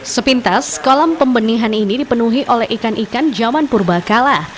sepintas kolam pembenihan ini dipenuhi oleh ikan ikan zaman purba kala